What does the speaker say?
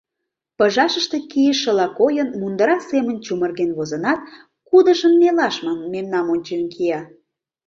Пыжашыште кийышыла койын, мундыра семын чумырген возынат, — кудыжым нелаш манын, мемнам ончен кия.